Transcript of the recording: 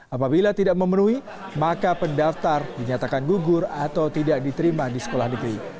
apabila tidak memenuhi maka pendaftar dinyatakan gugur atau tidak diterima di sekolah negeri